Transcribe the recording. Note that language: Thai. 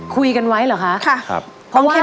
คุยกันไว้เหรอคะค่ะต้องเข้มแข็ง